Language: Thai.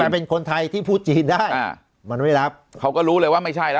เป็นคนไทยที่พูดจีนได้อ่ามันไม่รับเขาก็รู้เลยว่าไม่ใช่แล้ว